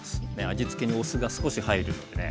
味つけにお酢が少し入るのでね